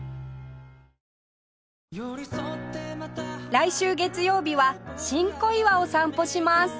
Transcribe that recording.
来週月曜日は新小岩を散歩します